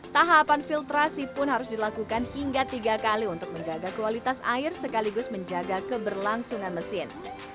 tahapan filtrasi pun harus dilakukan hingga tiga kali untuk menjaga kualitas air sekaligus menjaga keberlangsungan mesin